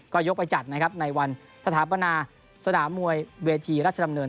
ก็ยกไปจัดนะครับในวันสถาปนาสนามมวยเวทีราชดำเนิน